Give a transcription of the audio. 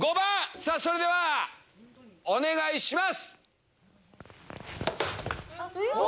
さあ、それではお願いします。